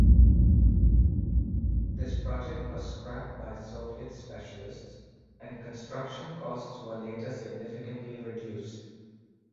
This project was scrapped by Soviet specialists and construction costs were later significantly reduced.